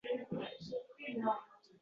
Bo‘lmasa yoqib berardim